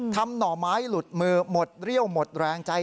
หน่อไม้หลุดมือหมดเรี่ยวหมดแรงใจ